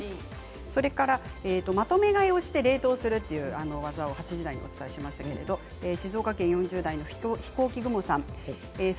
それから、まとめ買いをして冷凍するという技を８時台でお伝えしましたが静岡県４０代の方からです。